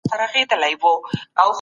هیڅ خنډ زموږ مخه نسي نیولی.